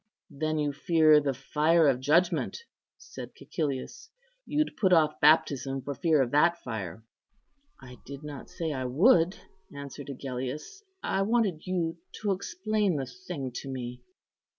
"Then you fear the fire of judgment," said Cæcilius; "you'd put off baptism for fear of that fire." "I did not say I would," answered Agellius; "I wanted you to explain the thing to me."